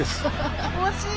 惜しい！